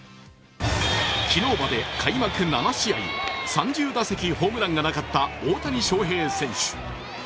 昨日まで開幕７試合３０打席ホームランがなかった大谷翔平選手。